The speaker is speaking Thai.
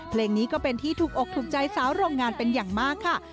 เพลงนี้ก็เป็นที่ถูกอกถูกใจสาวโรงงานเป็นอย่างมากค่ะ